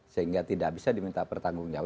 sehingga tidak bisa diminta pertanggung jawaban